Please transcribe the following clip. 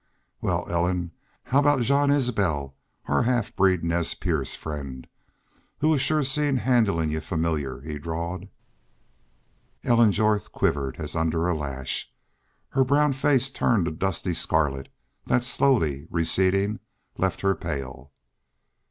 "Wal, Ellen how aboot Jean Isbel our half breed Nez Perce friend who was shore seen handlin' y'u familiar?" he drawled. Ellen Jorth quivered as under a lash, and her brown face turned a dusty scarlet, that slowly receding left her pale.